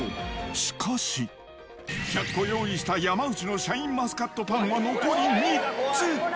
しかし、１００個用意した山内のシャインマスカットパンは残り３つ。